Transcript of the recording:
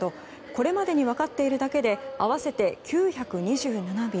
これまでに分かっているだけで合わせて９２７便。